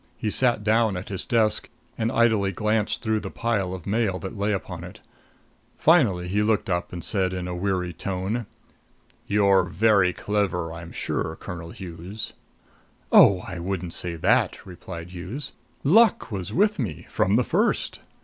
He sat down at his desk and idly glanced through the pile of mail that lay upon it. Finally he looked up and said in a weary tone: "You're very clever, I'm sure, Colonel Hughes." "Oh I wouldn't say that," replied Hughes. "Luck was with me from the first.